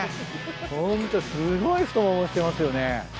ホントすごい太ももしてますよね。